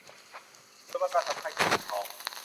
อุดมการณ์สำคัญกว่าเงินทอง